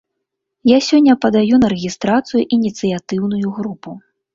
Я сёння падаю на рэгістрацыю ініцыятыўную групу.